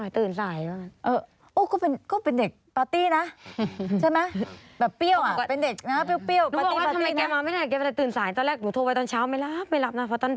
แต่แรกหนูโทรไปตอนเช้าไม่แล้ว